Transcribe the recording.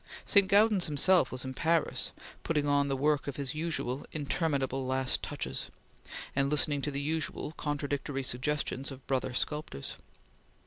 St. Gaudens himself was in Paris, putting on the work his usual interminable last touches, and listening to the usual contradictory suggestions of brother sculptors.